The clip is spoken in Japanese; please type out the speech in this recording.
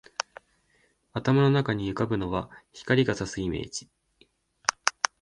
頭の中に浮ぶのは、光が射すイメージ